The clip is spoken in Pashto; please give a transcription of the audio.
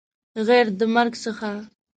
غیر د مرګ څخه